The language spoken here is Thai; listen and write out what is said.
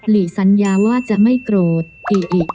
ลีสัญญาว่าจะไม่โกรธอิอิ